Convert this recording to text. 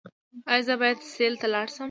ایا زه باید سیل ته لاړ شم؟